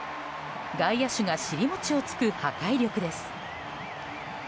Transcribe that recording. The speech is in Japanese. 外野手が尻もちをつく破壊力です。